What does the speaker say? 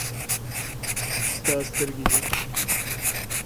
• ستا سترگي دي ـ